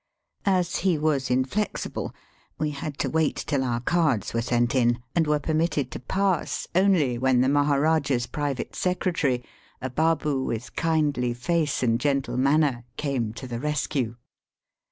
As he was inflexible we had to wait till our cards were sent in and were permitted to pass only when the Maharajah's private secretary, a baboo with kindly face and gentle manner, came to the rescue.